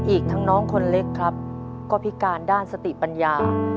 อีกทั้งน้องคนเล็กครับก็พิการด้านสติปัญญา